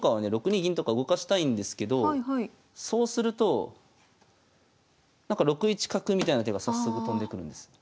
６二銀とか動かしたいんですけどそうすると６一角みたいな手が早速とんでくるんです。